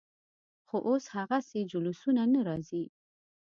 خو اوس هغسې جلوسونه نه راځي.